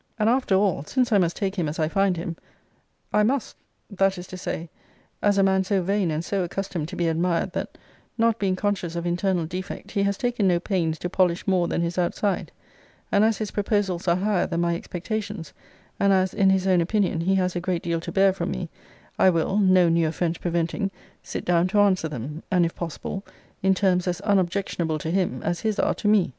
And after all, since I must take him as I find him, I must: that is to say, as a man so vain and so accustomed to be admired, that, not being conscious of internal defect, he has taken no pains to polish more than his outside: and as his proposals are higher than my expectations; and as, in his own opinion, he has a great deal to bear from me, I will (no new offence preventing) sit down to answer them; and, if possible, in terms as unobjectionable to him, as his are to me.